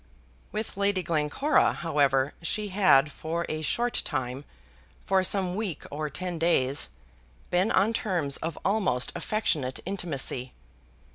With Lady Glencora, however, she had for a short time for some week or ten days, been on terms of almost affectionate intimacy.